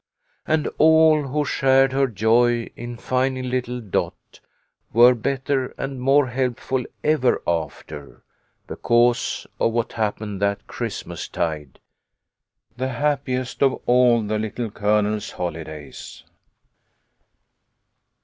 And all who shared her joy in finding little Dot were better and more helpful ever after, because of what happened that Christmas tide, the happiest of all the Little Colonel's holidays.